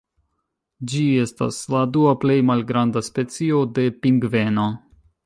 Ĝi estas la dua plej malgranda specio de pingveno.